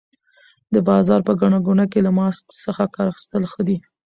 د بازار په ګڼه ګوڼه کې له ماسک څخه کار اخیستل ښه دي.